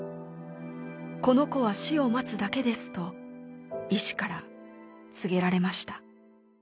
「この子は死を待つだけです」と医師から告げられました。